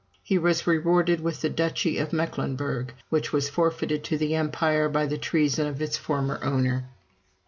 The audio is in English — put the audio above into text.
He was rewarded with the duchy of Mecklenburg, which was forfeited to the Empire by the treason of its former owner.